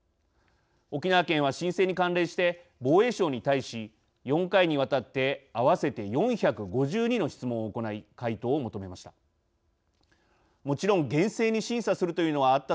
沖縄県は、申請に関連して防衛省に対し４回に渡って合わせて４５２の質問を行い回答を求めました。